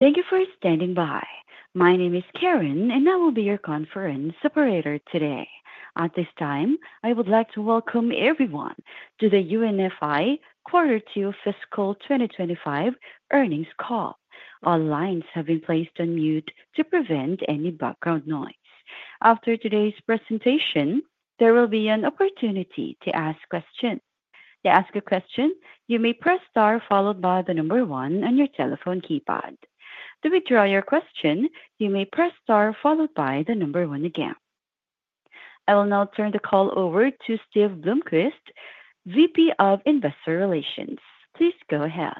Thank you for standing by, My name is Karen, and I will be your conference operator today, At this time, I would like to welcome everyone to the UNFI Quarter Two Fiscal 2025 Earnings Call. All lines have been placed on mute to prevent any background noise. After today's presentation, there will be an opportunity to ask questions. To ask a question, you may press star followed by the number one on your telephone keypad. To withdraw your question, you may press star followed by the number one again. I will now turn the call over to Steve Bloomquist, VP of Investor Relations. Please go ahead.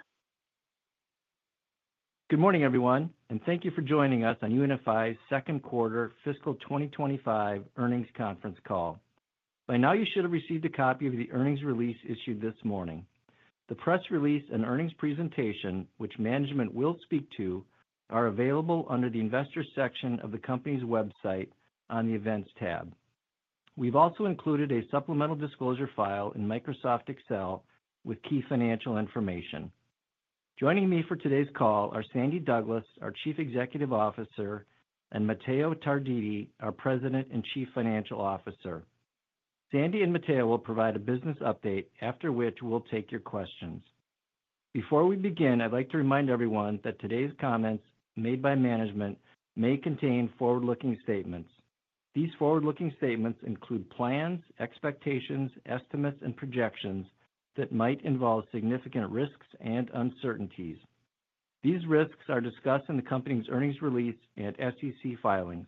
Good morning, everyone, and thank you for joining us on UNFI's Q2 Fiscal 2025 Earnings Conference Call. By now, you should have received a copy of the earnings release issued this morning. The press release and earnings presentation, which management will speak to, are available under the Investor section of the company's website on the Events tab. We've also included a supplemental disclosure file in Microsoft Excel with key financial information. Joining me for today's call are Sandy Douglas, our Chief Executive Officer, and Matteo Tarditi, our President and Chief Financial Officer. Sandy and Matteo will provide a business update, after which we'll take your questions. Before we begin, I'd like to remind everyone that today's comments made by management may contain forward-looking statements. These forward-looking statements include plans, expectations, estimates, and projections that might involve significant risks and uncertainties. These risks are discussed in the company's earnings release and SEC filings.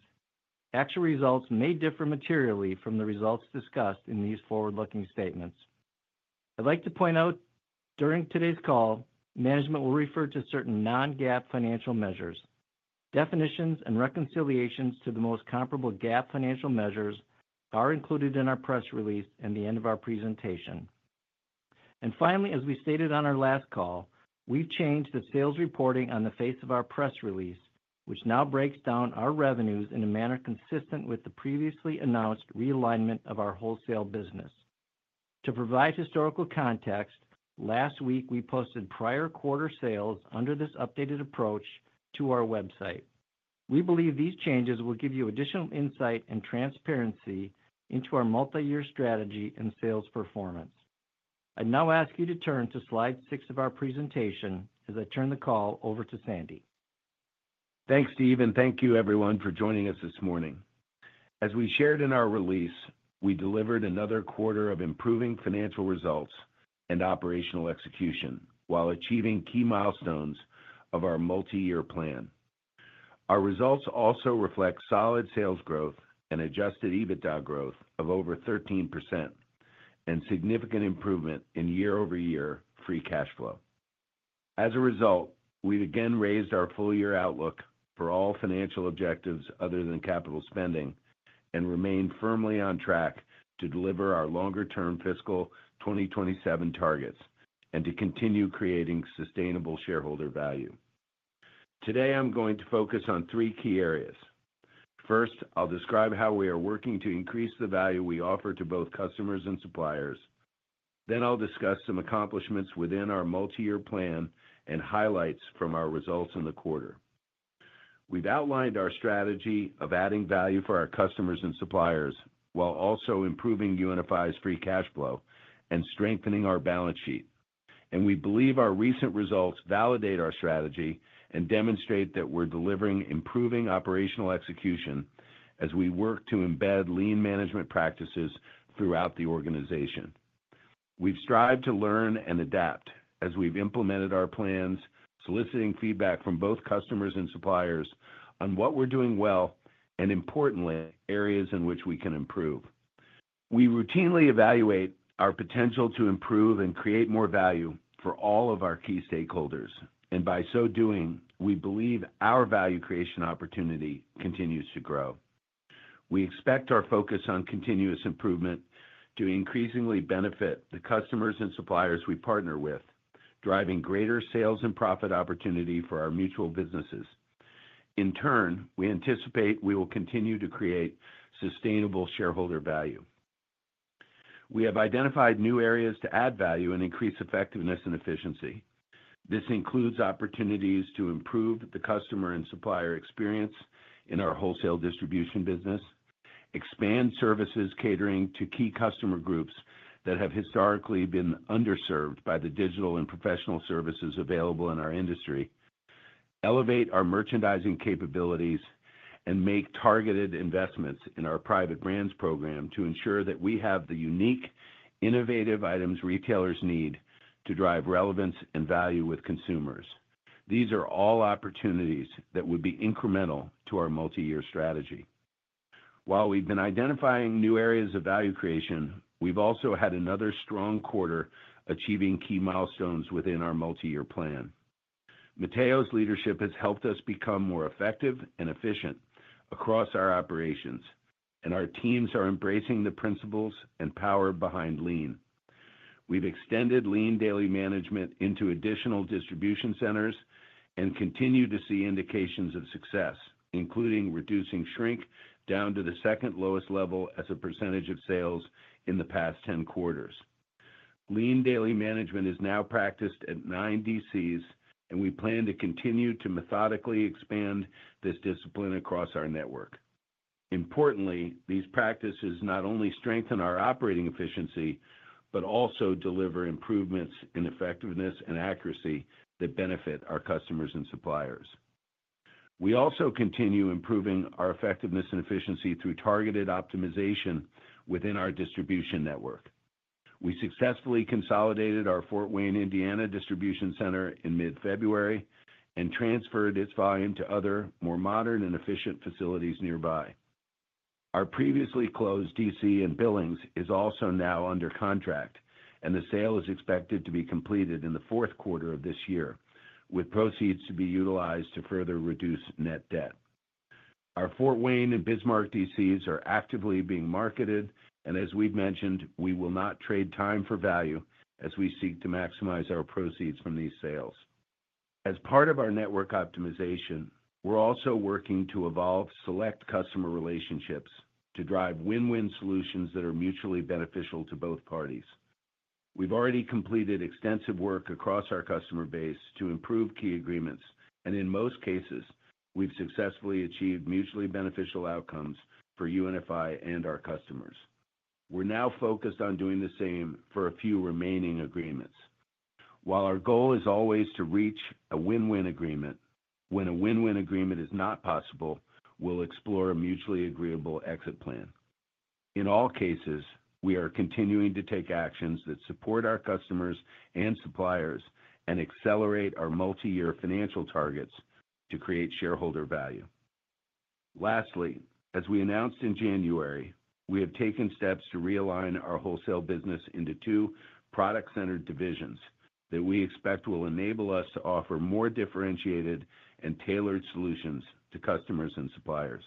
Actual results may differ materially from the results discussed in these forward-looking statements. I'd like to point out, during today's call, management will refer to certain non-GAAP financial measures. Definitions and reconciliations to the most comparable GAAP financial measures are included in our press release and the end of our presentation. Finally, as we stated on our last call, we've changed the sales reporting on the face of our press release, which now breaks down our revenues in a manner consistent with the previously announced realignment of our wholesale business. To provide historical context, last week we posted prior quarter sales under this updated approach to our website. We believe these changes will give you additional insight and transparency into our multi-year strategy and sales performance. I'd now ask you to turn to slide six of our presentation as I turn the call over to Sandy. Thanks, Steve, and thank you, everyone, for joining us this morning. As we shared in our release, we delivered another quarter of improving financial results and operational execution while achieving key milestones of our multi-year plan. Our results also reflect solid sales growth and adjusted EBITDA growth of over 13% and significant improvement in year-over-year free cash flow. As a result, we've again raised our full-year outlook for all financial objectives other than capital spending and remain firmly on track to deliver our longer-term fiscal 2027 targets and to continue creating sustainable shareholder value. Today, I'm going to focus on three key areas. First, I'll describe how we are working to increase the value we offer to both customers and suppliers. Then I'll discuss some accomplishments within our multi-year plan and highlights from our results in the quarter. Have outlined our strategy of adding value for our customers and suppliers while also improving UNFI's free cash flow and strengthening our balance sheet. We believe our recent results validate our strategy and demonstrate that we are delivering improving operational execution as we work to embed lean management practices throughout the organization. We have strived to learn and adapt as we have implemented our plans, soliciting feedback from both customers and suppliers on what we are doing well and, importantly, areas in which we can improve. We routinely evaluate our potential to improve and create more value for all of our key stakeholders, and by so doing, we believe our value creation opportunity continues to grow. We expect our focus on continuous improvement to increasingly benefit the customers and suppliers we partner with, driving greater sales and profit opportunity for our mutual businesses. In turn, we anticipate we will continue to create sustainable shareholder value. We have identified new areas to add value and increase effectiveness and efficiency. This includes opportunities to improve the customer and supplier experience in our wholesale distribution business, expand services catering to key customer groups that have historically been underserved by the digital and professional services available in our industry, elevate our merchandising capabilities, and make targeted investments in our private brands program to ensure that we have the unique, innovative items retailers need to drive relevance and value with consumers. These are all opportunities that would be incremental to our multi-year strategy. While we've been identifying new areas of value creation, we've also had another strong quarter achieving key milestones within our multi-year plan. Matteo's leadership has helped us become more effective and efficient across our operations, and our teams are embracing the principles and power behind lean. We've extended lean daily management into additional distribution centers and continue to see indications of success, including reducing shrink down to the second lowest level as a percentage of sales in the past 10 quarters. Lean daily management is now practiced at nine DCs, and we plan to continue to methodically expand this discipline across our network. Importantly, these practices not only strengthen our operating efficiency but also deliver improvements in effectiveness and accuracy that benefit our customers and suppliers. We also continue improving our effectiveness and efficiency through targeted optimization within our distribution network. We successfully consolidated our Fort Wayne, Indiana, distribution center in mid-February and transferred its volume to other, more modern and efficient facilities nearby. Our previously closed DC in Billings is also now under contract, and the sale is expected to be completed in the Q4 of this year, with proceeds to be utilized to further reduce net debt. Our Fort Wayne and Bismarck DCs are actively being marketed, and as we've mentioned, we will not trade time for value as we seek to maximize our proceeds from these sales. As part of our network optimization, we're also working to evolve select customer relationships to drive win-win solutions that are mutually beneficial to both parties. We've already completed extensive work across our customer base to improve key agreements, and in most cases, we've successfully achieved mutually beneficial outcomes for UNFI and our customers. We're now focused on doing the same for a few remaining agreements. While our goal is always to reach a win-win agreement, when a win-win agreement is not possible, we'll explore a mutually agreeable exit plan. In all cases, we are continuing to take actions that support our customers and suppliers and accelerate our multi-year financial targets to create shareholder value. Lastly, as we announced in January, we have taken steps to realign our wholesale business into two product-centered divisions that we expect will enable us to offer more differentiated and tailored solutions to customers and suppliers.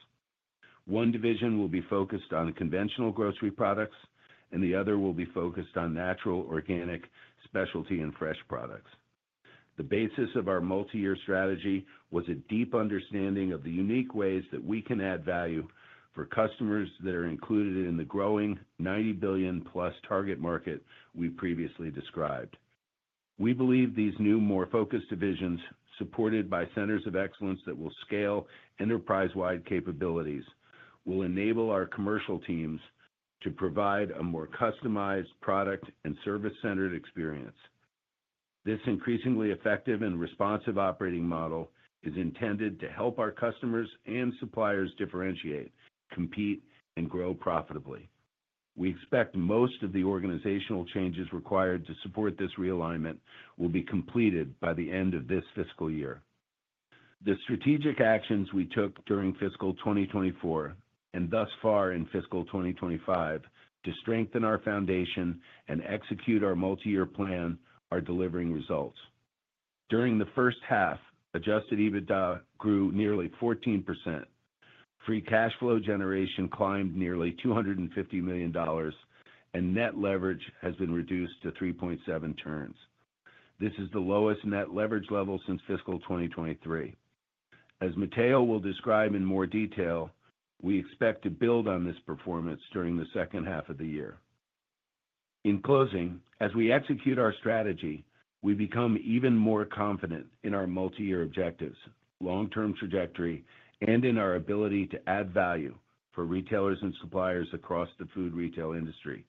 One division will be focused on conventional grocery products, and the other will be focused on natural, organic, specialty, and fresh products. The basis of our multi-year strategy was a deep understanding of the unique ways that we can add value for customers that are included in the growing $90 billion-plus target market we previously described. We believe these new, more focused divisions, supported by centers of excellence that will scale enterprise-wide capabilities, will enable our commercial teams to provide a more customized product and service-centered experience. This increasingly effective and responsive operating model is intended to help our customers and suppliers differentiate, compete, and grow profitably. We expect most of the organizational changes required to support this realignment will be completed by the end of this fiscal year. The strategic actions we took during fiscal 2024 and thus far in fiscal 2025 to strengthen our foundation and execute our multi-year plan are delivering results. During the first half, adjusted EBITDA grew nearly 14%, free cash flow generation climbed nearly $250 million, and net leverage has been reduced to 3.7 turns. This is the lowest net leverage level since fiscal 2023. As Matteo will describe in more detail, we expect to build on this performance during the second half of the year. In closing, as we execute our strategy, we become even more confident in our multi-year objectives, long-term trajectory, and in our ability to add value for retailers and suppliers across the food retail industry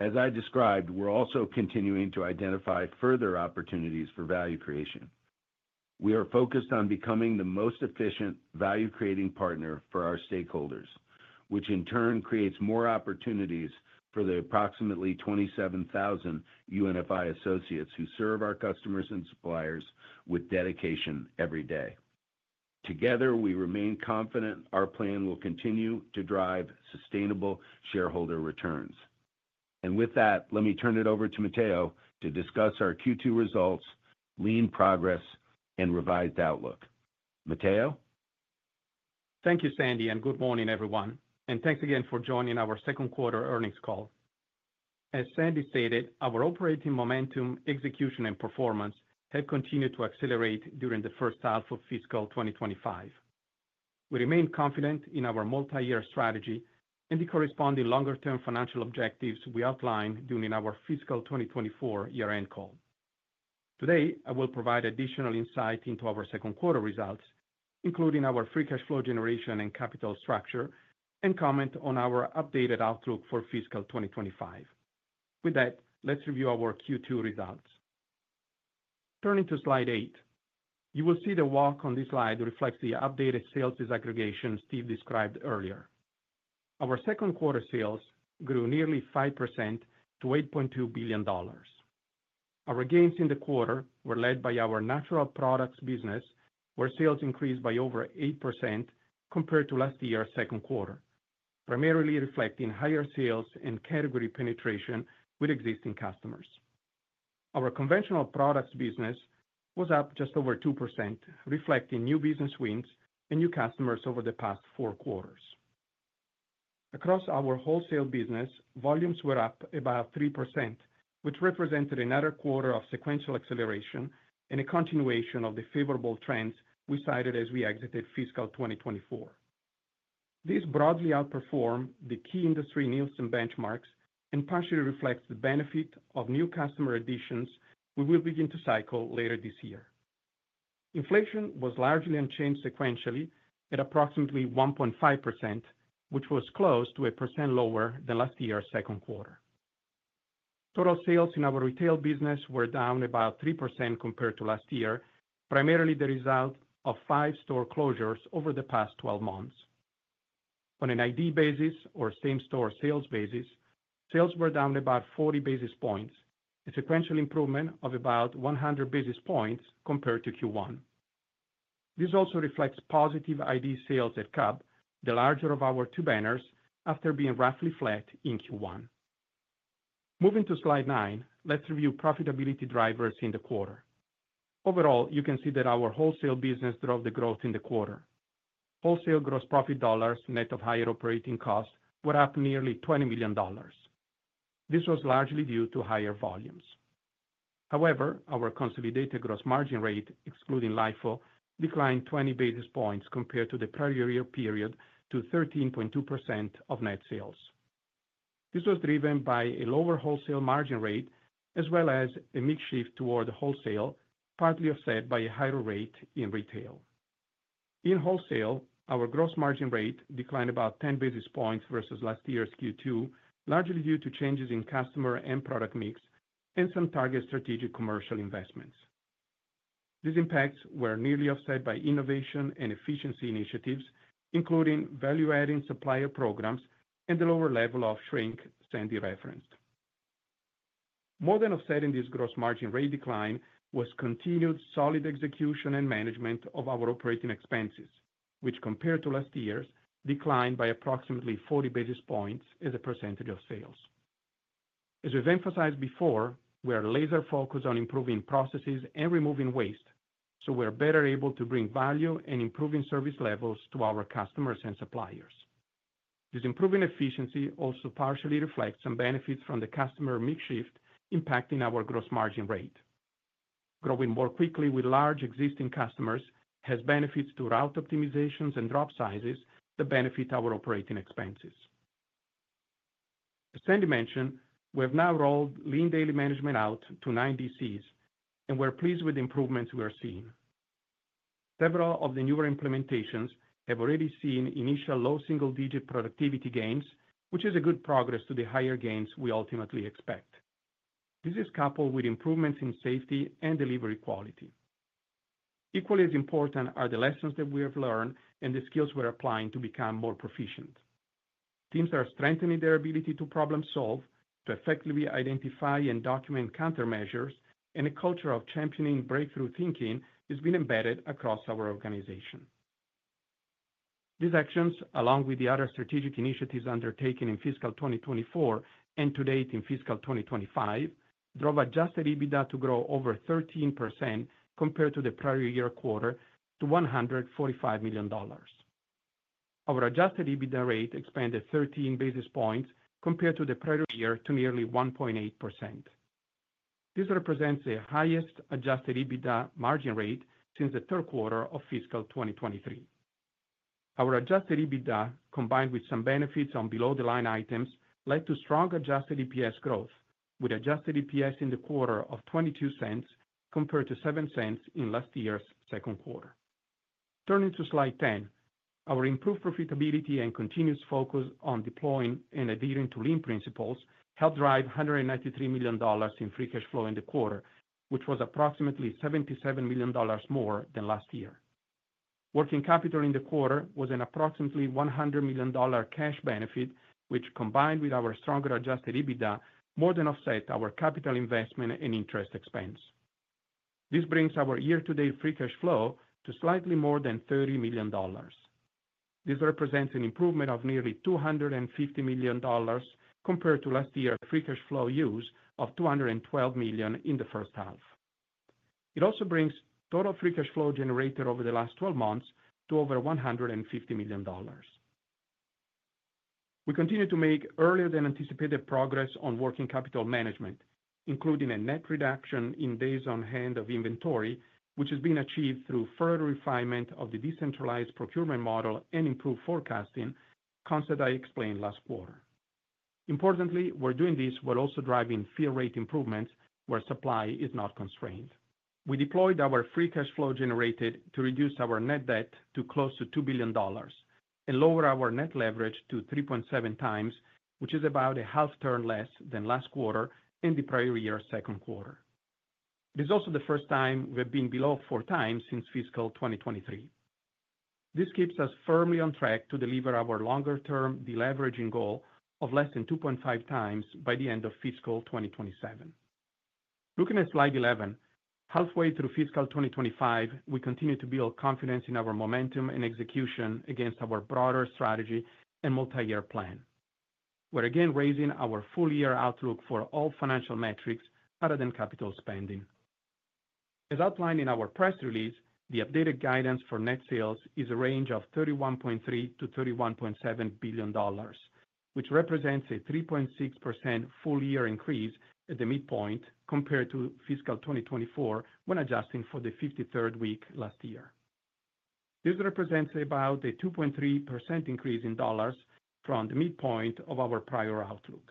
As I described, we're also continuing to identify further opportunities for value creation. We are focused on becoming the most efficient value-creating partner for our stakeholders, which in turn creates more opportunities for the approximately 27,000 UNFI associates who serve our customers and suppliers with dedication every day. Together, we remain confident our plan will continue to drive sustainable shareholder returns. Let me turn it over to Matteo to discuss our Q2 results, lean progress, and revised outlook. Matteo? Thank you, Sandy, and good morning, everyone. Thanks again for joining our Q2 earnings call. As Sandy stated, our operating momentum, execution, and performance have continued to accelerate during the first half of fiscal 2025. We remain confident in our multi-year strategy and the corresponding longer-term financial objectives we outlined during our fiscal 2024 year-end call. Today, I will provide additional insight into our Q2 results, including our free cash flow generation and capital structure, and comment on our updated outlook for fiscal 2025. With that, let's review our Q2 results. Turning to slide eight, you will see the walk on this slide reflects the updated sales disaggregation Steve described earlier. Our Q2 sales grew nearly 5% to $8.2 billion. Our gains in the quarter were led by our natural products business, where sales increased by over 8% compared to last year's Q2, primarily reflecting higher sales and category penetration with existing customers. Our conventional products business was up just over 2%, reflecting new business wins and new customers over the past four quarters. Across our wholesale business, volumes were up about 3%, which represented another quarter of sequential acceleration and a continuation of the favorable trends we cited as we exited fiscal 2024. This broadly outperformed the key industry Nielsen benchmarks and partially reflects the benefit of new customer additions we will begin to cycle later this year. Inflation was largely unchanged sequentially at approximately 1.5%, which was close to a percent lower than last year's Q2. Total sales in our retail business were down about 3% compared to last year, primarily the result of five store closures over the past 12 months. On an ID basis or same-store sales basis, sales were down about 40 basis points, a sequential improvement of about 100 basis points compared to Q1. This also reflects positive ID sales at Cub, the larger of our two banners, after being roughly flat in Q1. Moving to slide nine, let's review profitability drivers in the quarter. Overall, you can see that our wholesale business drove the growth in the quarter. Wholesale gross profit dollars, net of higher operating costs, were up nearly $20 million. This was largely due to higher volumes. However, our consolidated gross margin rate, excluding LIFO, declined 20 basis points compared to the prior year period to 13.2% of net sales. This was driven by a lower wholesale margin rate, as well as a mix shift toward wholesale, partly offset by a higher rate in retail. In wholesale, our gross margin rate declined about 10 basis points versus last year's Q2, largely due to changes in customer and product mix and some targeted strategic commercial investments. These impacts were nearly offset by innovation and efficiency initiatives, including value-adding supplier programs and the lower level of shrink Sandy referenced. More than offsetting this gross margin rate decline was continued solid execution and management of our operating expenses, which compared to last year's declined by approximately 40 basis points as a percentage of sales. As we've emphasized before, we are laser-focused on improving processes and removing waste, so we are better able to bring value and improve service levels to our customers and suppliers. This improving efficiency also partially reflects some benefits from the customer mix shift impacting our gross margin rate. Growing more quickly with large existing customers has benefits to route optimizations and drop sizes that benefit our operating expenses. As Sandy mentioned, we have now rolled lean daily management out to nine DCs, and we're pleased with the improvements we are seeing. Several of the newer implementations have already seen initial low single-digit productivity gains, which is a good progress to the higher gains we ultimately expect. This is coupled with improvements in safety and delivery quality. Equally as important are the lessons that we have learned and the skills we're applying to become more proficient. Teams are strengthening their ability to problem-solve, to effectively identify and document countermeasures, and a culture of championing breakthrough thinking has been embedded across our organization. These actions, along with the other strategic initiatives undertaken in fiscal 2024 and to date in fiscal 2025, drove adjusted EBITDA to grow over 13% compared to the prior year quarter to $145 million. Our adjusted EBITDA rate expanded 13 basis points compared to the prior year to nearly 1.8%. This represents the highest adjusted EBITDA margin rate since the Q3 of fiscal 2023. Our adjusted EBITDA, combined with some benefits on below-the-line items, led to strong adjusted EPS growth, with adjusted EPS in the quarter of $0.22 compared to $0.07 in last year's Q2. Turning to slide 10, our improved profitability and continuous focus on deploying and adhering to lean principles helped drive $193 million in free cash flow in the quarter, which was approximately $77 million more than last year. Working capital in the quarter was an approximately $100 million cash benefit, which, combined with our stronger adjusted EBITDA, more than offset our capital investment and interest expense. This brings our year-to-date free cash flow to slightly more than $30 million. This represents an improvement of nearly $250 million compared to last year's free cash flow use of $212 million in the first half. It also brings total free cash flow generated over the last 12 months to over $150 million. We continue to make earlier-than-anticipated progress on working capital management, including a net reduction in days on hand of inventory, which has been achieved through further refinement of the decentralized procurement model and improved forecasting, concept I explained last quarter. Importantly, we're doing this while also driving fill rate improvements where supply is not constrained. We deployed our free cash flow generated to reduce our net debt to close to $2 billion and lower our net leverage to 3.7 times, which is about a half turn less than last quarter and the prior year's Q2. It is also the first time we have been below four times since fiscal 2023. This keeps us firmly on track to deliver our longer-term deleveraging goal of less than 2.5 times by the end of fiscal 2027. Looking at slide 11, halfway through fiscal 2025, we continue to build confidence in our momentum and execution against our broader strategy and multi-year plan. We're again raising our full-year outlook for all financial metrics other than capital spending. As outlined in our press release, the updated guidance for net sales is a range of $31.3-$31.7 billion, which represents a 3.6% full-year increase at the midpoint compared to fiscal 2024 when adjusting for the 53rd week last year. This represents about a 2.3% increase in dollars from the midpoint of our prior outlook.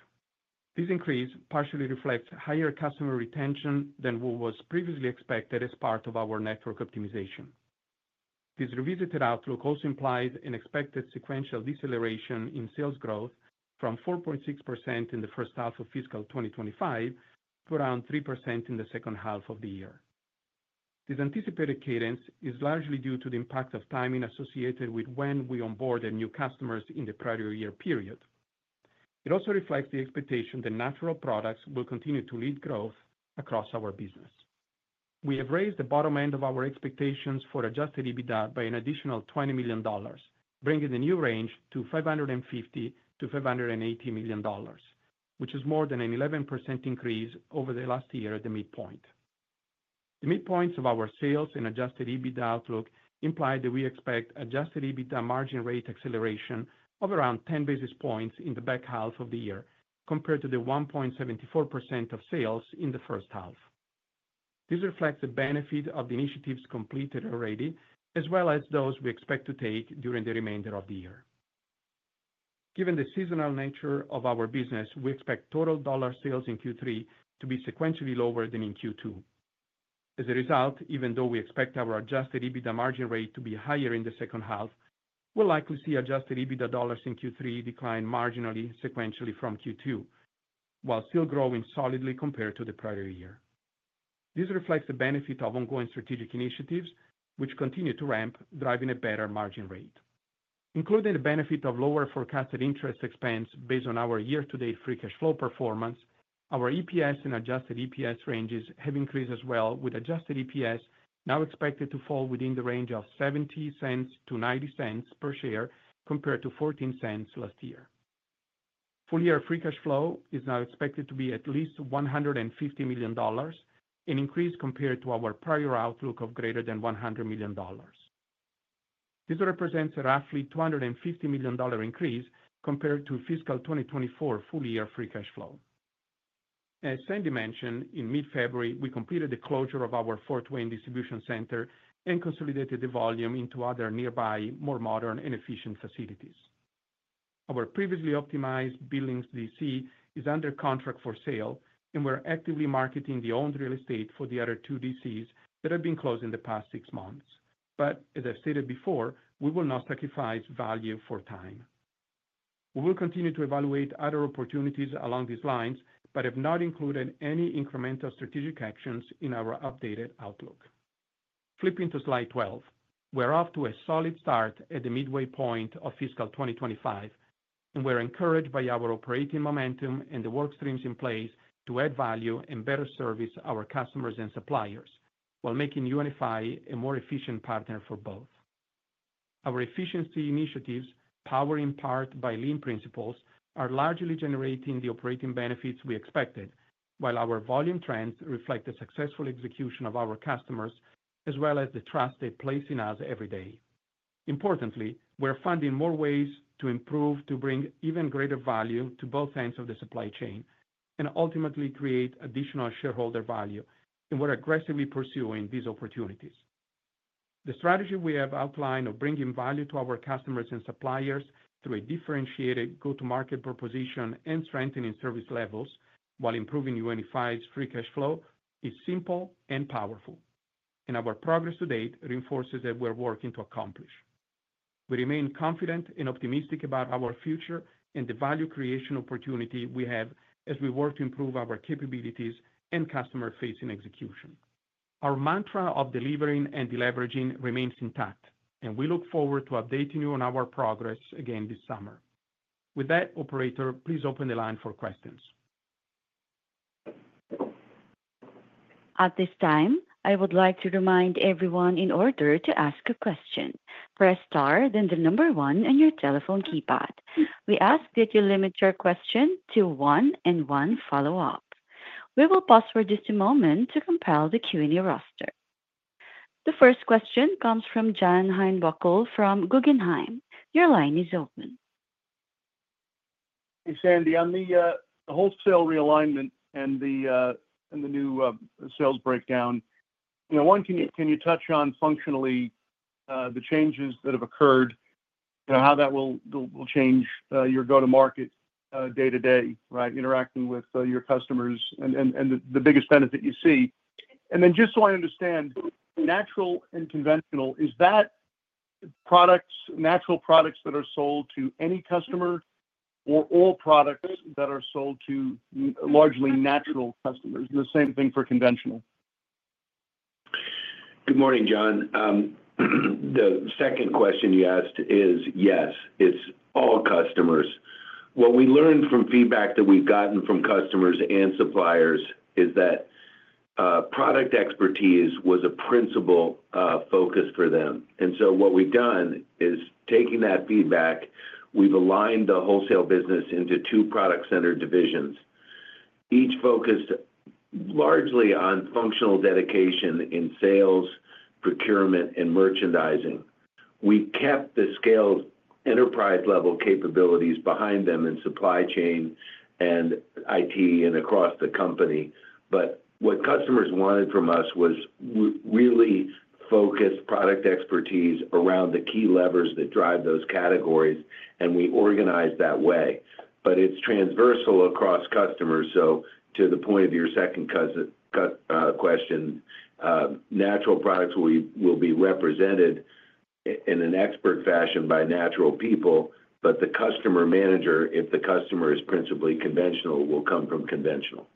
This increase partially reflects higher customer retention than what was previously expected as part of our network optimization. This revisited outlook also implies an expected sequential deceleration in sales growth from 4.6% in the first half of fiscal 2025 to around 3% in the second half of the year. This anticipated cadence is largely due to the impact of timing associated with when we onboarded new customers in the prior year period. It also reflects the expectation that natural products will continue to lead growth across our business. We have raised the bottom end of our expectations for adjusted EBITDA by an additional $20 million, bringing the new range to $550-$580 million, which is more than an 11% increase over the last year at the midpoint. The midpoints of our sales and adjusted EBITDA outlook imply that we expect adjusted EBITDA margin rate acceleration of around 10 basis points in the back half of the year compared to the 1.74% of sales in the first half. This reflects the benefit of the initiatives completed already, as well as those we expect to take during the remainder of the year. Given the seasonal nature of our business, we expect total dollar sales in Q3 to be sequentially lower than in Q2. As a result, even though we expect our adjusted EBITDA margin rate to be higher in the second half, we'll likely see adjusted EBITDA dollars in Q3 decline marginally sequentially from Q2, while still growing solidly compared to the prior year. This reflects the benefit of ongoing strategic initiatives, which continue to ramp, driving a better margin rate. Including the benefit of lower forecasted interest expense based on our year-to-date free cash flow performance, our EPS and adjusted EPS ranges have increased as well, with adjusted EPS now expected to fall within the range of $0.70-$0.90 per share compared to $0.14 last year. Full-year free cash flow is now expected to be at least $150 million, an increase compared to our prior outlook of greater than $100 million. This represents a roughly $250 million increase compared to fiscal 2024 full-year free cash flow. As Sandy mentioned, in mid-February, we completed the closure of our Fort Wayne distribution center and consolidated the volume into other nearby, more modern, and efficient facilities. Our previously optimized Billings DC is under contract for sale, and we are actively marketing the owned real estate for the other two DCs that have been closed in the past six months. As I have stated before, we will not sacrifice value for time. We will continue to evaluate other opportunities along these lines, but have not included any incremental strategic actions in our updated outlook. Flipping to slide 12, we are off to a solid start at the midway point of fiscal 2025, and we are encouraged by our operating momentum and the work streams in place to add value and better service our customers and suppliers while making UNFI a more efficient partner for both. Our efficiency initiatives, powered in part by lean principles, are largely generating the operating benefits we expected, while our volume trends reflect the successful execution of our customers as well as the trust they place in us every day. Importantly, we're finding more ways to improve to bring even greater value to both ends of the supply chain and ultimately create additional shareholder value, and we're aggressively pursuing these opportunities. The strategy we have outlined of bringing value to our customers and suppliers through a differentiated go-to-market proposition and strengthening service levels while improving UNFI's free cash flow is simple and powerful, and our progress to date reinforces that we're working to accomplish. We remain confident and optimistic about our future and the value creation opportunity we have as we work to improve our capabilities and customer-facing execution. Our mantra of delivering and deleveraging remains intact, and we look forward to updating you on our progress again this summer. With that, Operator, please open the line for questions. At this time, I would like to remind everyone in order to ask a question, press star then the number one on your telephone keypad. We ask that you limit your question to one and one follow-up. We will pause for just a moment to compile the Q&A roster. The first question comes from John Heinbockel from Guggenheim. Your line is open. Hey, Sandy, on the wholesale realignment and the new sales breakdown, one, can you touch on functionally the changes that have occurred, how that will change your go-to-market day-to-day, interacting with your customers and the biggest benefit you see? Just so I understand, natural and conventional, is that natural products that are sold to any customer or all products that are sold to largely natural customers? The same thing for conventional? Good morning, John. The second question you asked is yes. It is all customers. What we learned from feedback that we have gotten from customers and suppliers is that product expertise was a principal focus for them. What we have done is taking that feedback, we have aligned the wholesale business into two product-centered divisions. Each focused largely on functional dedication in sales, procurement, and merchandising. We kept the scale enterprise-level capabilities behind them in supply chain and IT and across the company. What customers wanted from us was really focused product expertise around the key levers that drive those categories, and we organized that way. It is transversal across customers. To the point of your second question, natural products will be represented in an expert fashion by natural people, but the customer manager, if the customer is principally conventional, will come from conventional.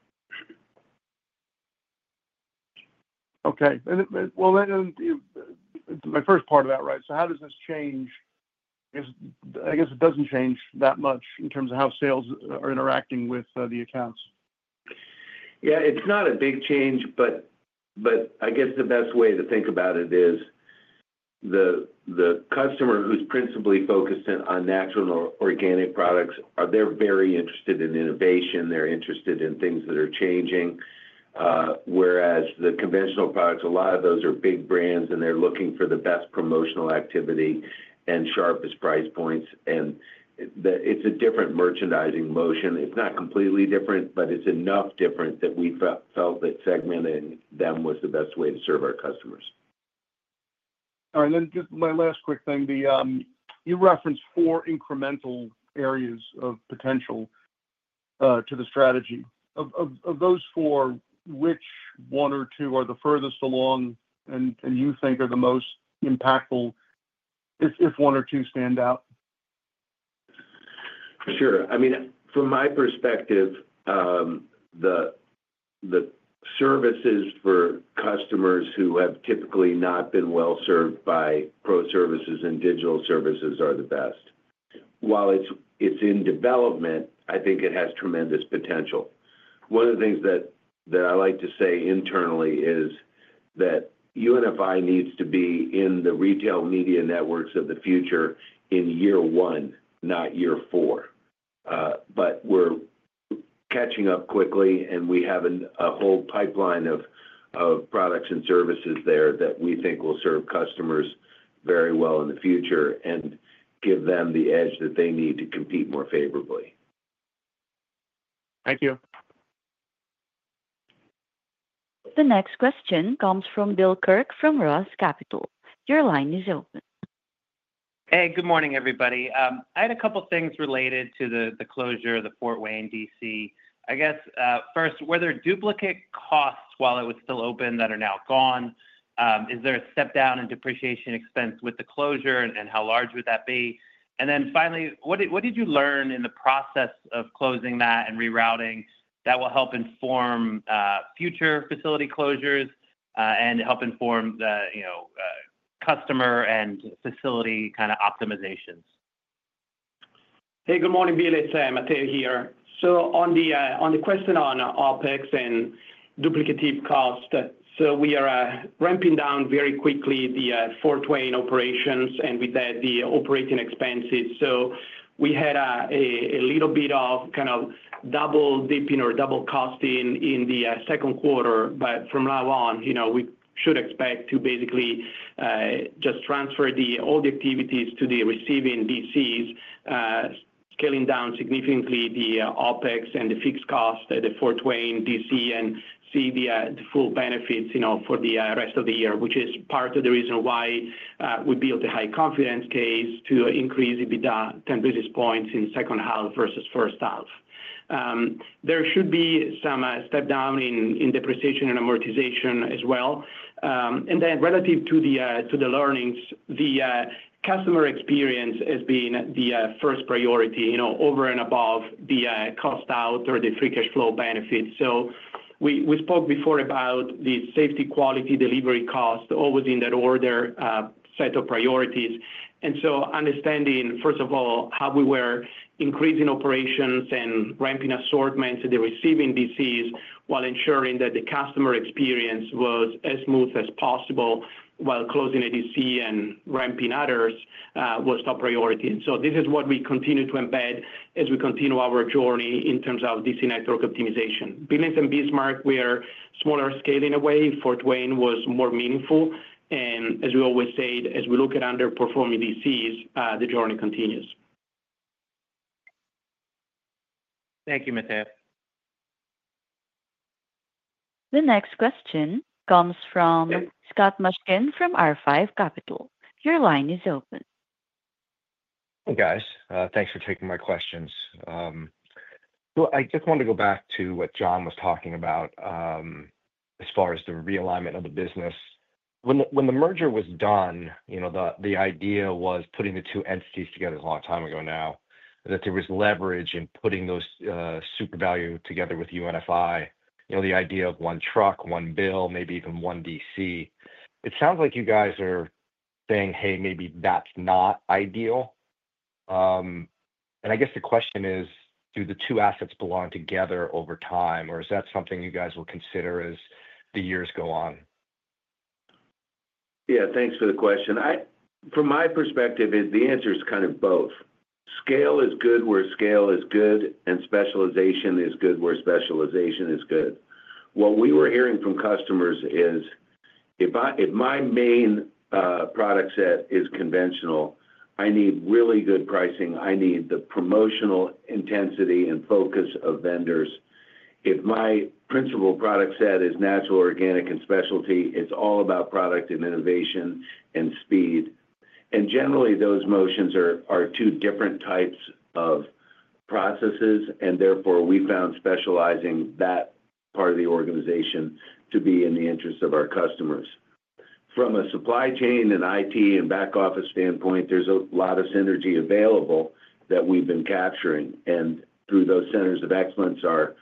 Okay. My first part of that, right? How does this change? I guess it doesn't change that much in terms of how sales are interacting with the accounts. Yeah. It's not a big change, but I guess the best way to think about it is the customer who's principally focused on natural and organic products, they're very interested in innovation they're interested in things that are changing. Whereas the conventional products, a lot of those are big brands, and they're looking for the best promotional activity and sharpest price points. It's a different merchandising motion it's not completely different, but it's enough different that we felt that segmenting them was the best way to serve our customers. All right. Just my last quick thing. You referenced four incremental areas of potential to the strategy. Of those four, which one or two are the furthest along and you think are the most impactful if one or two stand out? Sure. I mean, from my perspective, the services for customers who have typically not been well served by pro services and digital services are the best. While it's in development, I think it has tremendous potential. One of the things that I like to say internally is that UNFI needs to be in the retail media networks of the future in year one, not year four. We're catching up quickly, and we have a whole pipeline of products and services there that we think will serve customers very well in the future and give them the edge that they need to compete more favorably. Thank you. The next question comes from Bill Kirk from Roth Capital. Your line is open. Hey, good morning, everybody. I had a couple of things related to the closure of the Fort Wayne DC. I guess first, were there duplicate costs while it was still open that are now gone? Is there a step-down in depreciation expense with the closure, and how large would that be? And then finally, what did you learn in the process of closing that and rerouting that will help inform future facility closures and help inform customer and facility kind of optimizations? Hey, good morning, Bill. It's Matteo here. On the question on OpEx and duplicative cost, we are ramping down very quickly the Fort Wayne operations and with that, the operating expenses. We had a little bit of kind of double dipping or double costing in the Q2, but from now on, we should expect to basically just transfer all the activities to the receiving DCs. Scaling down significantly the OpEx and the fixed cost at the Fort Wayne DC and see the full benefits for the rest of the year, which is part of the reason why we built a high confidence case to increase EBITDA 10 basis points in second half versus first half. There should be some step-down in depreciation and amortization as well. Relative to the learnings, the customer experience has been the first priority over and above the cost out or the free cash flow benefits. We spoke before about the safety quality delivery cost, always in that order set of priorities. Understanding, first of all, how we were increasing operations and ramping assortments at the receiving DCs while ensuring that the customer experience was as smooth as possible while closing a DC and ramping others was top priority. This is what we continue to embed as we continue our journey in terms of DC network optimization. Billings and Bismarck, we are smaller scale in a way, Fort Wayne was more meaningful. As we always say, as we look at underperforming DCs, the journey continues. Thank you, Matteo. The next question comes from Scott Mushkin from R5 Capital. Your line is open. Hey, guys. Thanks for taking my questions. I just wanted to go back to what John was talking about as far as the realignment of the business. When the merger was done, the idea was putting the two entities together a long time ago now, that there was leverage in putting those Supervalu together with UNFI, the idea of one truck, one bill, maybe even one DC. It sounds like you guys are saying, "Hey, maybe that's not ideal." I guess the question is, do the two assets belong together over time, or is that something you guys will consider as the years go on? Yeah. Thanks for the question. From my perspective, the answer is kind of both. Scale is good where scale is good, and specialization is good where specialization is good. What we were hearing from customers is if my main product set is conventional, I need really good pricing i need the promotional intensity and focus of vendors. If my principal product set is natural, organic, and specialty, it's all about product and innovation and speed. Generally, those motions are two different types of processes, and therefore, we found specializing that part of the organization to be in the interest of our customers. From a supply chain and IT and back office standpoint, there's a lot of synergy available that we've been capturing. Through those centers of excellence are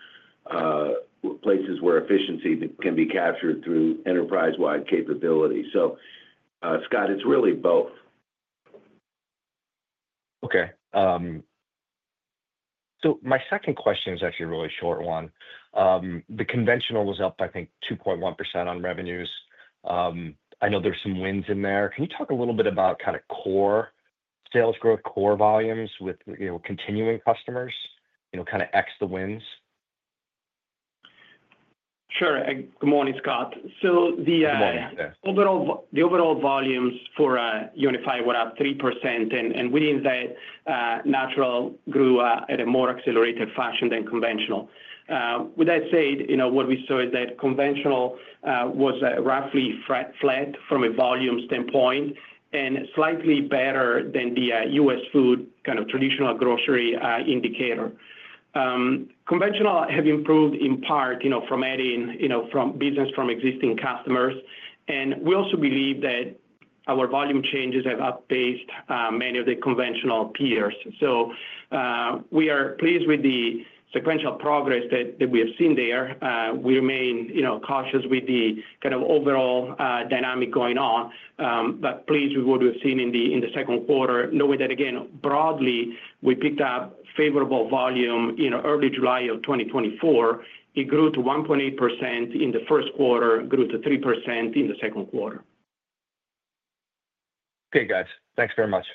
places where efficiency can be captured through enterprise-wide capability. Scott, it's really both. Okay. My second question is actually a really short one. The conventional was up, I think, 2.1% on revenues. I know there's some wins in there, Can you talk a little bit about kind of core sales growth, core volumes with continuing customers, kind of X the wins? Sure. Good morning, Scott. The overall volumes for UNFI were up 3%, and within that, natural grew at a more accelerated fashion than conventional. With that said, what we saw is that conventional was roughly flat from a volume standpoint and slightly better than the US food kind of traditional grocery indicator. Conventional have improved in part from adding business from existing customers. We also believe that our volume changes have outpaced many of the conventional peers. We are pleased with the sequential progress that we have seen there. We remain cautious with the kind of overall dynamic going on, but pleased with what we've seen in the Q2, knowing that, again, broadly, we picked up favorable volume in early July of 2024. It grew to 1.8% in the first quarter, grew to 3% in the Q2. Okay, guys. Thanks very much.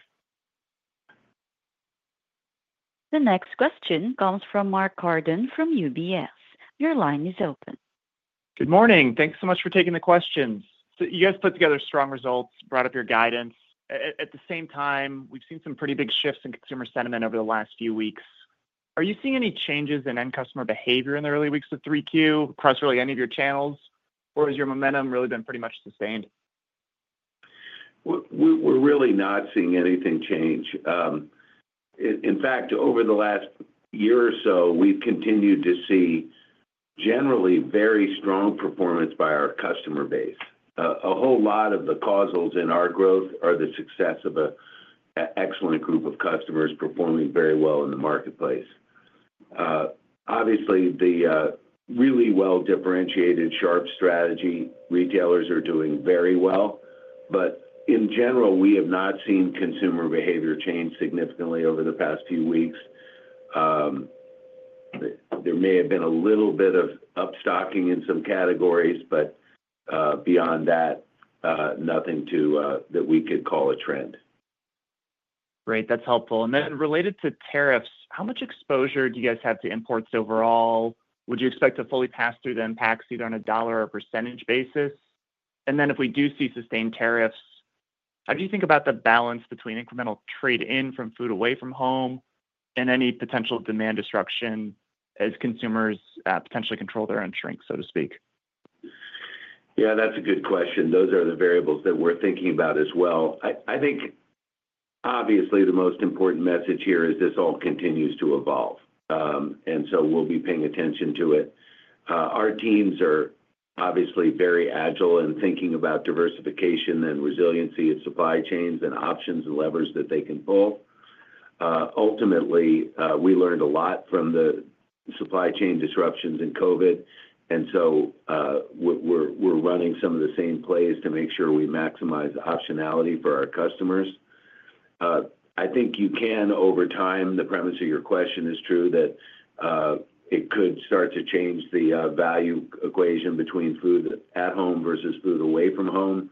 The next question comes from Mark Harden from UBS. Your line is open. Good morning. Thanks so much for taking the questions. You guys put together strong results, brought up your guidance. At the same time, we've seen some pretty big shifts in consumer sentiment over the last few weeks. Are you seeing any changes in end customer behavior in the early weeks of 3Q across really any of your channels, or has your momentum really been pretty much sustained? We're really not seeing anything change. In fact, over the last year or so, we've continued to see generally very strong performance by our customer base. A whole lot of the causals in our growth are the success of an excellent group of customers performing very well in the marketplace. Obviously, the really well-differentiated sharp strategy retailers are doing very well. In general, we have not seen consumer behavior change significantly over the past few weeks. There may have been a little bit of upstocking in some categories, but beyond that, nothing that we could call a trend. Great. That's helpful, Related to tariffs, how much exposure do you guys have to imports overall? Would you expect to fully pass through the impact either on a dollar or percentage basis? If we do see sustained tariffs, how do you think about the balance between incremental trade-in from food away from home and any potential demand destruction as consumers potentially control their own shrink, so to speak? Yeah, that's a good question those are the variables that we're thinking about as well. I think, obviously, the most important message here is this all continues to evolve. We will be paying attention to it. Our teams are obviously very agile in thinking about diversification and resiliency of supply chains and options and levers that they can pull. Ultimately, we learned a lot from the supply chain disruptions and COVID. We are running some of the same plays to make sure we maximize optionality for our customers. I think you can, over time, the premise of your question is true that it could start to change the value equation between food at home versus food away from home.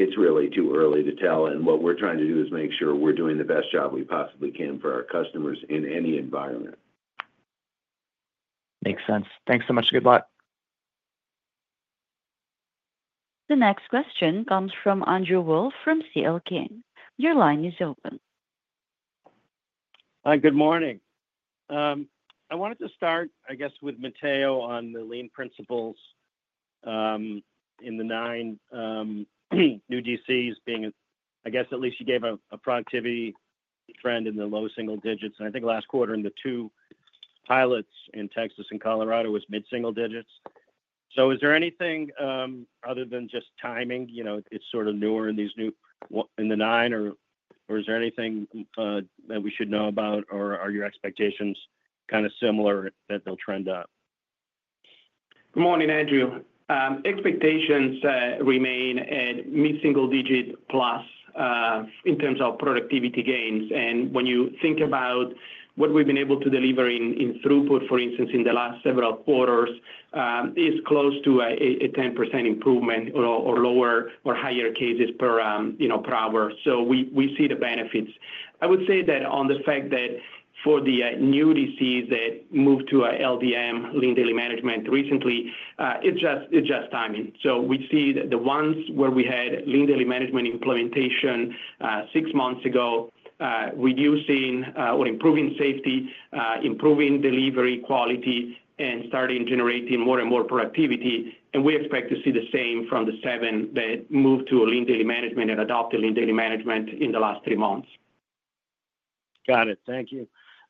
It is really too early to tell. What we are trying to do is make sure we are doing the best job we possibly can for our customers in any environment. Makes sense. Thanks so much. Good luck. The next question comes from Andrew Wolf from CL King. Your line is open. Hi, good morning. I wanted to start, I guess, with Matteo on the lean principles in the nine new DCs being. I guess at least you gave a productivity trend in the low single digits i think last quarter in the two pilots in Texas and Colorado was mid-single digits. Is there anything other than just timing? It's sort of newer in these new in the nine, or is there anything that we should know about, or are your expectations kind of similar that they'll trend up? Good morning, Andrew. Expectations remain at mid-single digit plus in terms of productivity gains. When you think about what we've been able to deliver in throughput, for instance, in the last several quarters, it's close to a 10% improvement or lower or higher cases per hour. We see the benefits. I would say that on the fact that for the new DCs that moved to LDM, lean daily management recently, it's just timing. We see the ones where we had lean daily management implementation six months ago, reducing or improving safety, improving delivery quality, and starting generating more and more productivity, We expect to see the same from the seven that moved to lean daily management and adopted lean daily management in the last three months. Got it. Thank you.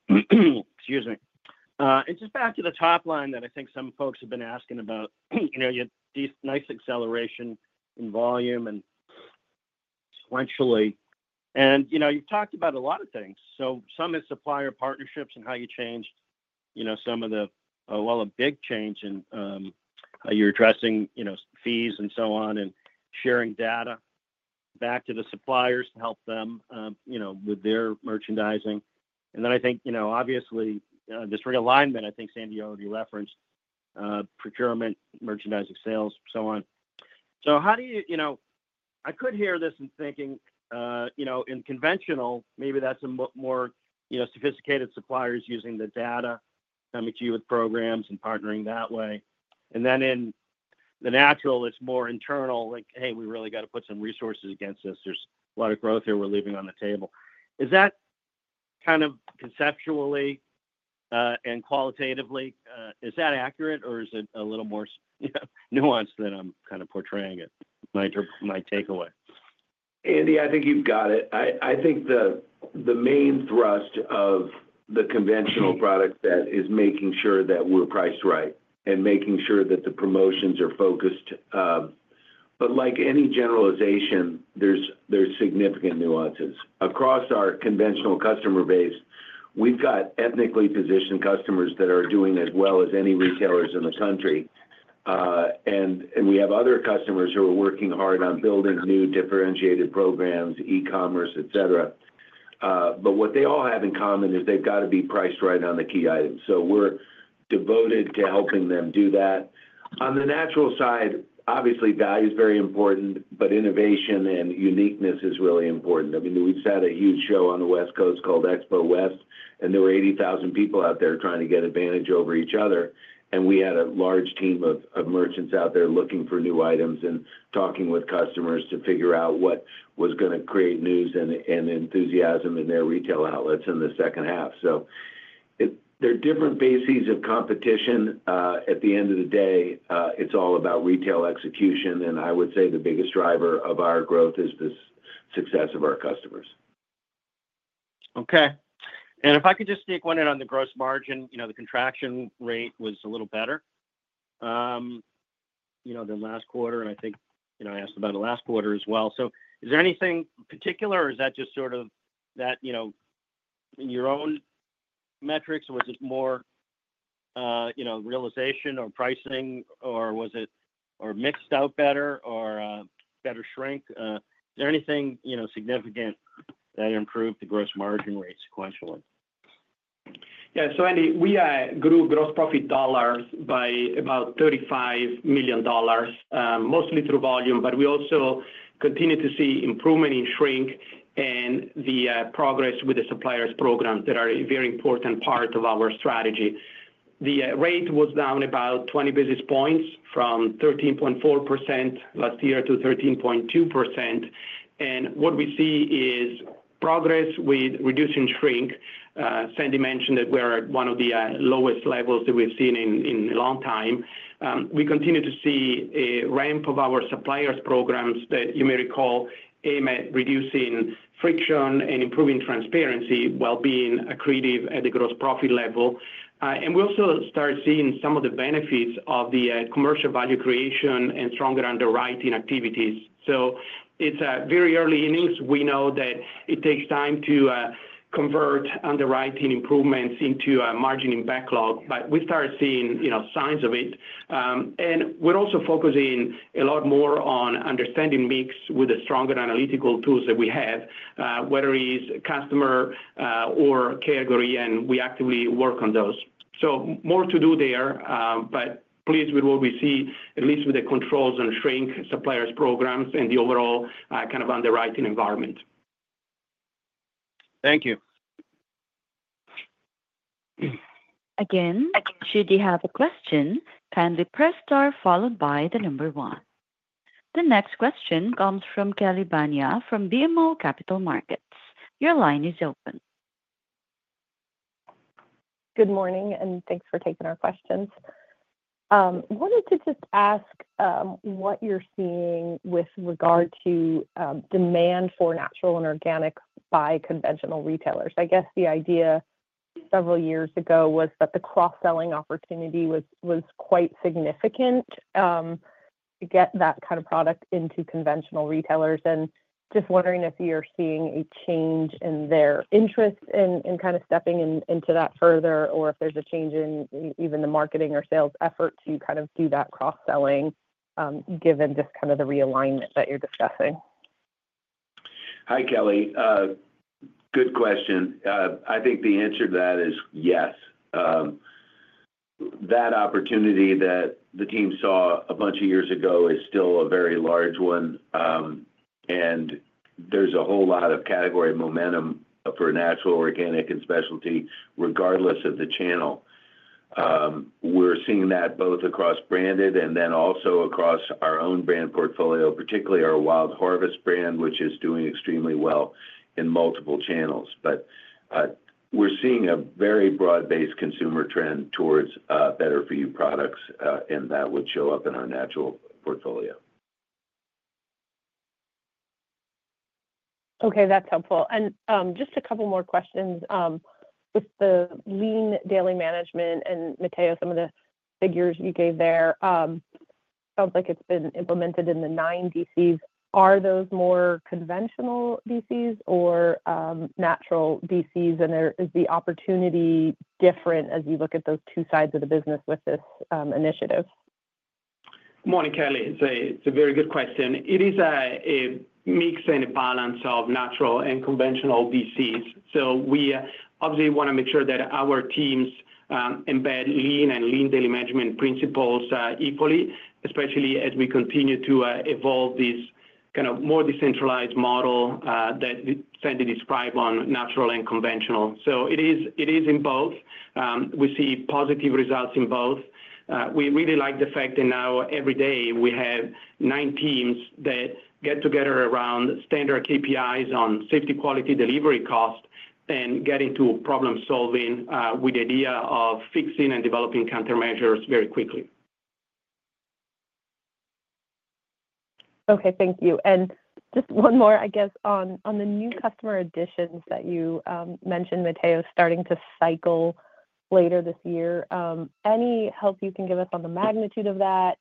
Excuse me. Just back to the top line that I think some folks have been asking about, you had this nice acceleration in volume and sequentially. You have talked about a lot of things some is supplier partnerships and how you changed some of the, well, a big change in you're addressing fees and so on and sharing data back to the suppliers to help them with their merchandising. I think, obviously, this realignment, I think Sandy already referenced, procurement, merchandising, sales, so on. How do you—I could hear this and thinking in conventional, maybe that's a more sophisticated suppliers using the data, coming to you with programs and partnering that way. In the natural, it's more internal, like, "Hey, we really got to put some resources against this. There's a lot of growth here we're leaving on the table." Is that kind of conceptually and qualitatively, is that accurate, or is it a little more nuanced than I'm kind of portraying it, my takeaway? Andy, I think you've got it. I think the main thrust of the conventional product set is making sure that we're priced right and making sure that the promotions are focused. Like any generalization, there's significant nuances. Across our conventional customer base, we've got ethnically positioned customers that are doing as well as any retailers in the country. We have other customers who are working hard on building new differentiated programs, e-commerce, etc. What they all have in common is they've got to be priced right on the key items. We're devoted to helping them do that. On the natural side, obviously, value is very important, but innovation and uniqueness is really important. I mean, we've set a huge show on the West Coast called Expo West, and there were 80,000 people out there trying to get advantage over each other. We had a large team of merchants out there looking for new items and talking with customers to figure out what was going to create news and enthusiasm in their retail outlets in the second half. There are different bases of competition. At the end of the day, it's all about retail execution. I would say the biggest driver of our growth is the success of our customers. Okay. If I could just sneak one in on the gross margin, the contraction rate was a little better than last quarter. I think I asked about it last quarter as well. Is there anything particular, or is that just sort of that in your own metrics, or was it more realization or pricing, or was it mixed out better or better shrink? Is there anything significant that improved the gross margin rate sequentially? Yeah. Andy, we grew gross profit dollars by about $35 million, mostly through volume, but we also continue to see improvement in shrink and the progress with the suppliers' programs that are a very important part of our strategy. The rate was down about 20 basis points from 13.4% last year to 13.2%. What we see is progress with reducing shrink. Sandy mentioned that we're at one of the lowest levels that we've seen in a long time. We continue to see a ramp of our suppliers' programs that you may recall aim at reducing friction and improving transparency, while being accretive at the gross profit level. We also started seeing some of the benefits of the commercial value creation and stronger underwriting activities. It is very early innings, We know that it takes time to convert underwriting improvements into a margin and backlog, but we started seeing signs of it. We are also focusing a lot more on understanding mix with the stronger analytical tools that we have, whether it is customer or category, and we actively work on those. More to do there, but pleased with what we see, at least with the controls and shrink suppliers' programs and the overall kind of underwriting environment. Thank you. Again, if you do have a question, kindly press star followed by the number one. The next question comes from Kelly Bania from BMO Capital Markets. Your line is open. Good morning, and thanks for taking our questions. I wanted to just ask what you're seeing with regard to demand for natural and organic by conventional retailers. I guess the idea several years ago was that the cross-selling opportunity was quite significant to get that kind of product into conventional retailers. Just wondering if you're seeing a change in their interest in kind of stepping into that further, or if there's a change in even the marketing or sales effort to kind of do that cross-selling given just kind of the realignment that you're discussing. Hi, Kelly. Good question. I think the answer to that is yes. That opportunity that the team saw a bunch of years ago is still a very large one. There is a whole lot of category momentum for natural, organic, and specialty, regardless of the channel. We're seeing that both across branded and then also across our own brand portfolio, particularly our Wild Harvest brand, which is doing extremely well in multiple channels. We're seeing a very broad-based consumer trend towards better-for-you products, and that would show up in our natural portfolio. Okay. That's helpful. Just a couple more questions. With the lean daily management and Matteo, some of the figures you gave there, it sounds like it's been implemented in the nine DCs. Are those more conventional DCs or natural DCs? Is the opportunity different as you look at those two sides of the business with this initiative? Good morning, Kelly. It's a very good question. It is a mix and a balance of natural and conventional DCs. We obviously want to make sure that our teams embed lean and lean daily management principles equally, especially as we continue to evolve this kind of more decentralized model that Sandy described on natural and conventional it is in both. We see positive results in both. We really like the fact that now every day we have nine teams that get together around standard KPIs on safety, quality, delivery cost, and getting to problem-solving with the idea of fixing and developing countermeasures very quickly. Okay. Thank you. Just one more, I guess, on the new customer additions that you mentioned, Matteo, starting to cycle later this year. Any help you can give us on the magnitude of that,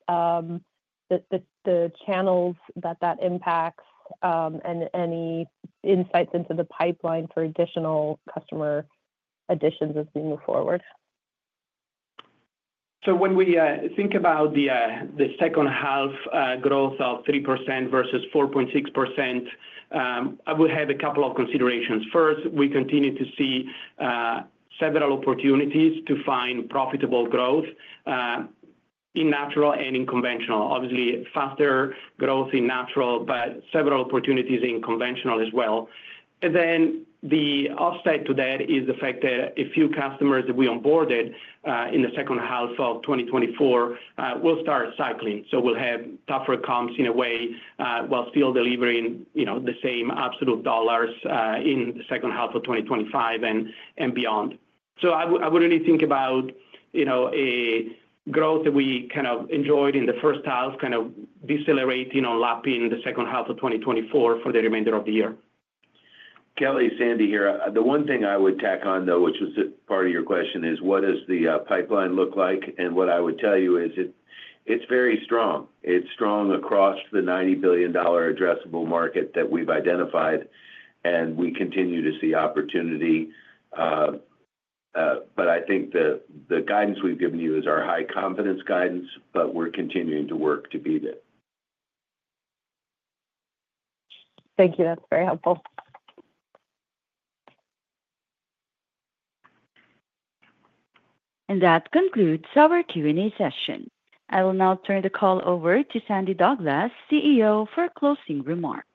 the channels that that impacts, and any insights into the pipeline for additional customer additions as we move forward? When we think about the second half growth of 3% versus 4.6%, I will have a couple of considerations. First, we continue to see several opportunities to find profitable growth in natural and in conventional. Obviously, faster growth in natural, but several opportunities in conventional as well. The offset to that is the fact that a few customers that we onboarded in the second half of 2024 will start cycling. We will have tougher comps in a way while still delivering the same absolute dollars in the second half of 2025 and beyond. I would only think about a growth that we kind of enjoyed in the first half kind of decelerating on lapping the second half of 2024 for the remainder of the year. Kelly, Sandy here. The one thing I would tack on, though, which was part of your question, is what does the pipeline look like? What I would tell you is it's very strong. It's strong across the $90 billion addressable market that we've identified, and we continue to see opportunity. I think the guidance we've given you is our high confidence guidance, but we're continuing to work to be there. Thank you. That's very helpful. That concludes our Q&A session. I will now turn the call over to Sandy Douglas, CEO, for a closing remark.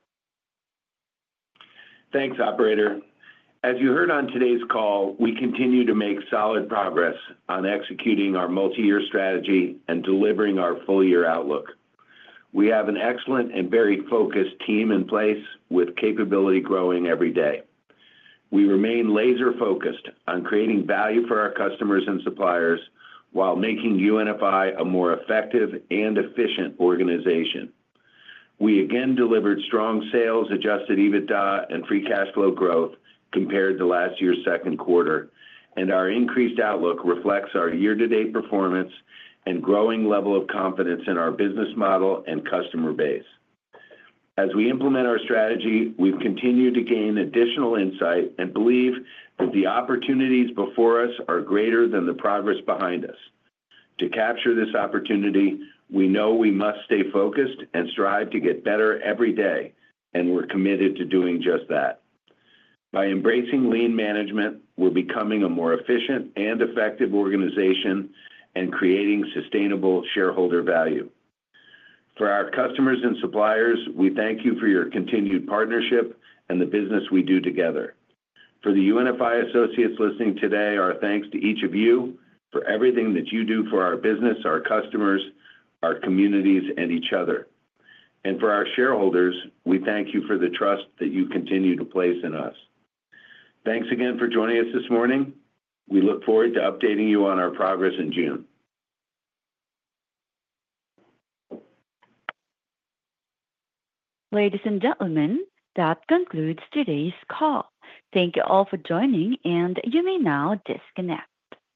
Thanks, Operator. As you heard on today's call, we continue to make solid progress on executing our multi-year strategy and delivering our full-year outlook. We have an excellent and very focused team in place with capability growing every day. We remain laser-focused on creating value for our customers and suppliers while making UNFI a more effective and efficient organization. We again delivered strong sales, adjusted EBITDA, and free cash flow growth compared to last year's Q2, and our increased outlook reflects our year-to-date performance and growing level of confidence in our business model and customer base. As we implement our strategy, we've continued to gain additional insight and believe that the opportunities before us are greater than the progress behind us. To capture this opportunity, we know we must stay focused and strive to get better every day, and we're committed to doing just that. By embracing lean management, we're becoming a more efficient and effective organization and creating sustainable shareholder value. For our customers and suppliers, we thank you for your continued partnership and the business we do together. For the UNFI associates listening today, our thanks to each of you for everything that you do for our business, our customers, our communities, and each other. For our shareholders, we thank you for the trust that you continue to place in us. Thanks again for joining us this morning. We look forward to updating you on our progress in June. Ladies and gentlemen, that concludes today's call. Thank you all for joining, and you may now disconnect.